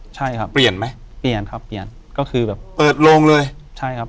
ใช่ครับเปลี่ยนไหมเปลี่ยนครับเปลี่ยนก็คือแบบเปิดโลงเลยใช่ครับ